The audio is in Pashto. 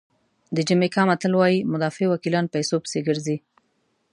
د جمیکا متل وایي مدافع وکیلان پیسو پسې ګرځي.